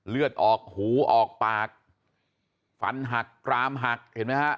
เลือดออกหูออกปากฟันหักกรามหักเห็นไหมฮะ